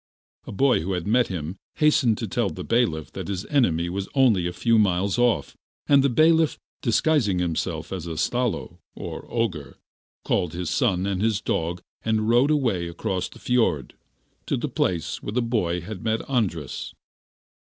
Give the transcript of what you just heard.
A boy who had met him hastened to tell the bailiff that his enemy was only a few miles off; and the bailiff, disguising himself as a Stalo, or ogre, called his son and his dog and rowed away across the fiord to the place where the boy had met Andras.